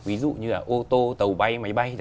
ví dụ như là ô tô tàu bay